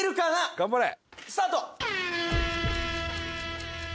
頑張れよ！